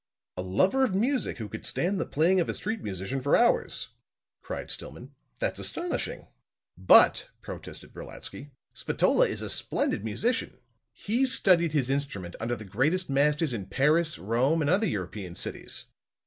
"A lover of music who could stand the playing of a street musician for hours!" cried Stillman. "That's astonishing." "But," protested Brolatsky, "Spatola is a splendid musician. He's studied his instrument under the greatest masters in Paris, Rome and other European cities.